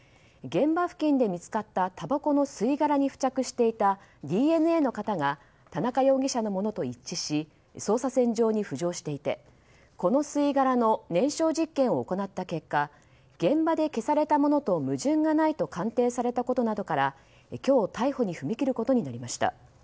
現場付近で見つかったたばこの吸い殻に付着していたＤＮＡの型が田中容疑者のものと一致し捜査線上に浮上していてこの吸い殻の燃焼実験を行った結果現場で消されたものと矛盾がないと鑑定されたことなどから今日、逮捕に踏み切ることになりました。